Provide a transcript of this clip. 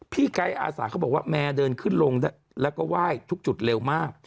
ไก๊อาสาเขาบอกว่าแมวเดินขึ้นลงแล้วก็ไหว้ทุกจุดเร็วมาก